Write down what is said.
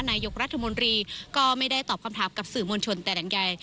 นายกรัฐมนตรีก็ไม่ได้ตอบคำถามกับสื่อมวลชนแต่อย่างใด